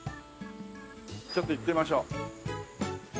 ちょっと行ってみましょう。